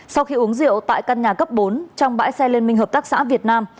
sau khi uống rượu tại căn nhà cấp bốn trong bãi xe liên minh hợp tác xã việt nam